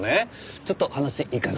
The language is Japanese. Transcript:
ちょっと話いいかな？